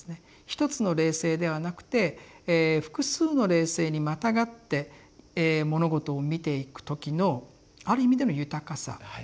一つの霊性ではなくて複数の霊性にまたがって物事を見ていく時のある意味での豊かさ。